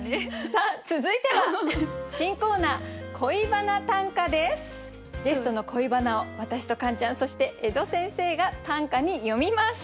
さあ続いては新コーナーゲストの恋バナを私とカンちゃんそして江戸先生が短歌に詠みます。